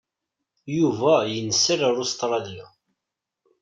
Yuba yenser ar Ustṛalya.